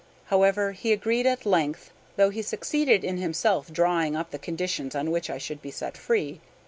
However, he agreed at length, though he succeeded in himself drawing up the conditions on which I should be set free.